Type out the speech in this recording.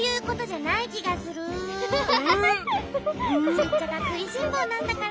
シッチャカくいしんぼうなんだから。